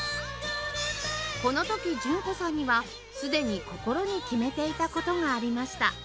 この時純子さんにはすでに心に決めていた事がありました